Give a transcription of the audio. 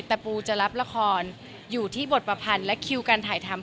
แต่ปูจะรับละครอยู่ที่บทประพันธ์และคิวการถ่ายทำ